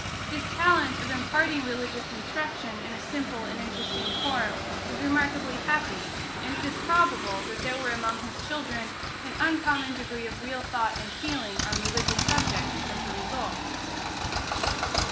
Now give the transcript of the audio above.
His talent of imparting religious instruction in a simple and interesting form was remarkably happy, and it is probable that there was among his children an uncommon degree of real thought and feeling on religious subjects as the result.